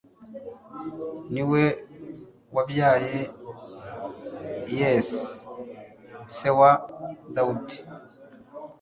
ni we wabyaye yese, se wa dawudi